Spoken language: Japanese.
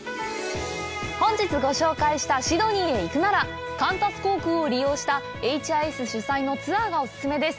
本日ご紹介したシドニーへ行くなら、カンタス航空を利用したＨＩＳ主催のツアーがお勧めです。